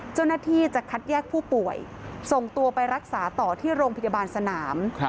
เจ้าหน้าที่จะคัดแยกผู้ป่วยส่งตัวไปรักษาต่อที่โรงพยาบาลสนาม